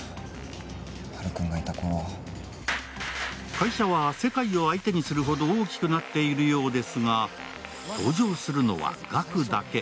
会社は世界を相手にするほど大きくなっているようですが、登場するのはガクだけ。